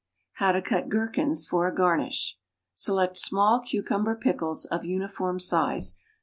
=How to Cut Gherkins for a Garnish.= Select small cucumber pickles of uniform size.